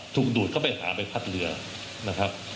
ถูกดูดเข้าไปหาไปพัดหลือนะครับ